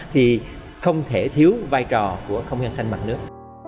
thì không thể thiếu vai trò của không gian xanh mặt nước